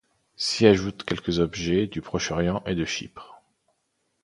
S’y ajoutent quelques objets du Proche-Orient et de Chypre.